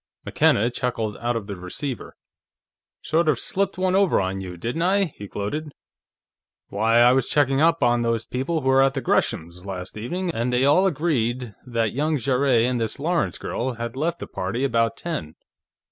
McKenna chuckled out of the receiver. "Sort of slipped one over on you, didn't I?" he gloated. "Why, I was checking up on those people who were at Gresham's, last evening, and they all agreed that young Jarrett and the Lawrence girl had left the party about ten.